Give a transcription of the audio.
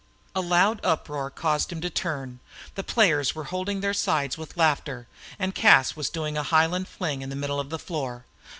A loud uproar caused him to turn. The players were holding their sides with laughter, and Cas was doing a Highland fling in the middle of the floor.